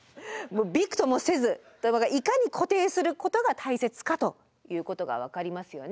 ビクともせず。ということでいかに固定することが大切かということが分かりますよね。